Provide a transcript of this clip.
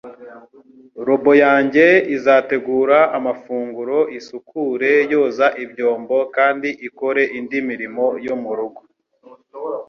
Robo yanjye izategura amafunguro, isukure, yoza ibyombo, kandi ikore indi mirimo yo murugo.